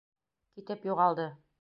Китеп юғалды.